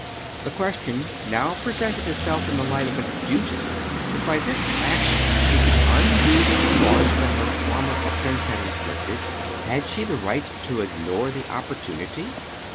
The question now presented itself in the light of a duty: if by this action she could undo the remorse that her former offence had inflicted, had she the right to ignore the opportunity?